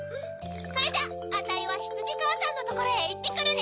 それじゃあたいはひつじかあさんのところへいってくるね！